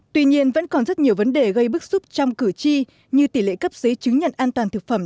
tuy nhiên vẫn còn rất nhiều vấn đề gây bức xúc trong cử tri như tỷ lệ cấp giấy chứng nhận an toàn thực phẩm